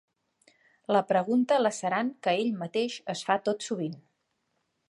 La pregunta lacerant que ell mateix es fa tot sovint.